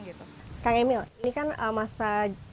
kang emil ini kan masa